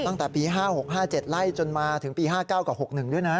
ตั้งแต่ปี๕๖๕๗ไล่จนมาถึงปี๕๙กับ๖๑ด้วยนะ